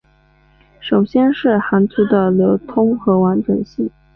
首先是航图的流通和完整性。